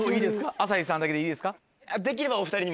朝日さんだけでいいですか？